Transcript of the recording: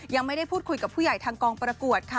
ยังไม่ได้พูดคุยกับผู้ใหญ่ทางกองประกวดค่ะ